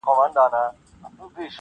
هغه زه یم هغه ښار هغه به دی وي-